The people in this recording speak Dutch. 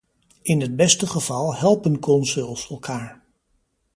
In het beste geval helpen consuls elkaar.